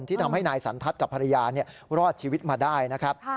ทำให้นายสันทัศน์กับภรรยารอดชีวิตมาได้นะครับ